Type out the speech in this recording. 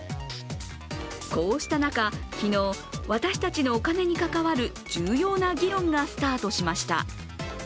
こうした中、昨日私たちのお金に関わる重要な議論がスタートしました。